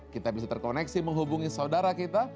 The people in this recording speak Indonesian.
kita bisa terkoneksi menghubungi saudara kita